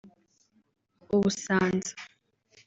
Ubusanza